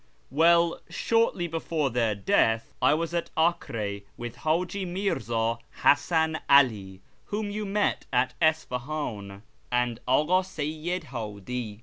" Well, shortly before their death I was at Acre with Haji Mirza Hasan 'Ali, whom you met at Isfahan, and Aka Seyyid Hadi.